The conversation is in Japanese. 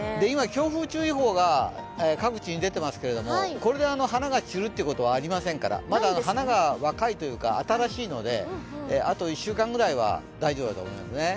今、強風注意報が各地に出ていますけれども、これで花が散るということはありませんから、まだ花が新しいのであと１週間ぐらいは大丈夫だと思いますね。